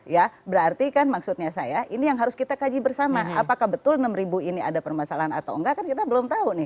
ya berarti kan maksudnya saya ini yang harus kita kaji bersama apakah betul enam ribu ini ada permasalahan atau enggak kan kita belum tahu nih